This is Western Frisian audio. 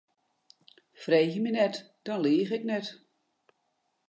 Freegje my net, dan liich ik net.